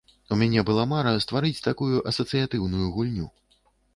У мяне была мара стварыць такую асацыятыўную гульню.